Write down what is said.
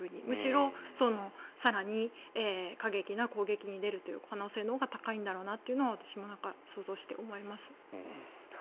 むしろ更に過激な攻撃に出る可能性のほうが高いんだろうなというのを私も想像して思います。